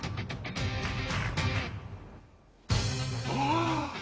ああ！？